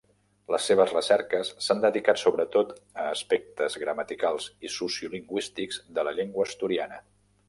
Les seves recerques s'han dedicat sobretot a aspectes gramaticals i sociolingüístics de la llengua asturiana.